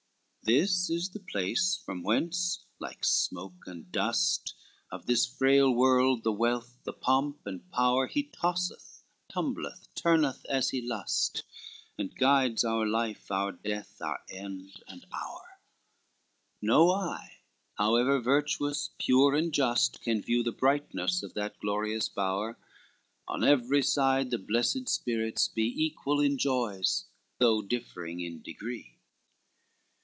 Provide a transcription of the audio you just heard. LVII This is the place, from whence like smoke and dust Of this frail world the wealth, the pomp and power, He tosseth, tumbleth, turneth as he lust, And guides our life, our death, our end and hour: No eye, however virtuous, pure and just, Can view the brightness of that glorious bower, On every side the blessed spirits be, Equal in joys, though differing in degree.